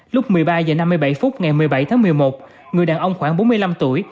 lúc một mươi ba h năm mươi bảy phút ngày một mươi bảy tháng một mươi một người đàn ông khoảng bốn mươi năm tuổi